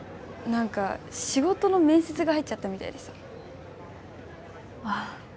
何か仕事の面接が入っちゃったみたいでさああ